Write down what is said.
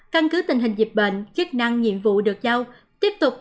căn cứ tình hình dịp bệnh chức năng nhiệm vụ được giao